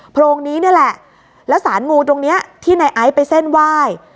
โรงนี้นี่แหละแล้วสารงูตรงเนี้ยที่ในไอซ์ไปเส้นไหว้